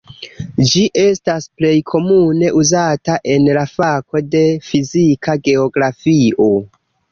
Ĝi estas plej komune uzata en la fako de fizika geografio.